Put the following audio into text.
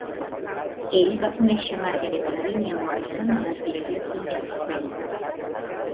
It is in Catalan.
Ell va conèixer Margaret Lavinia Morrison a l'església Tinkling Spring.